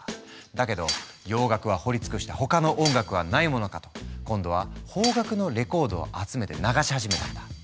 だけど洋楽は掘りつくした他の音楽はないものかと今度は邦楽のレコードを集めて流し始めたんだ。